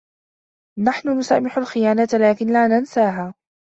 نحن نسامح الخيانة لكن لا ننساها.